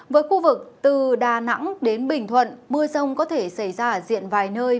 với khu vực từ đà nẵng đến bình thuận mưa sông có thể xảy ra diện vài nơi